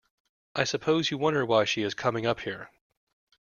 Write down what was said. I suppose you wonder why she is coming up here.